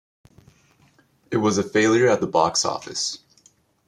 It was a failure at the box office.